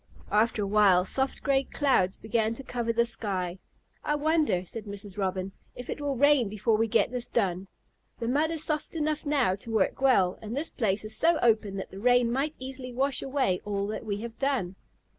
After a while, soft gray clouds began to cover the sky. "I wonder," said Mrs. Robin, "if it will rain before we get this done. The mud is soft enough now to work well, and this place is so open that the rain might easily wash away all that we have done."